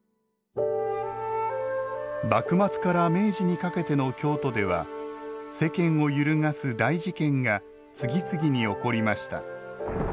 幕末から明治にかけての京都では世間を揺るがす大事件が次々に起こりました。